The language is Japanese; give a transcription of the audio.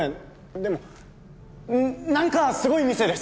でもななんかすごい店です！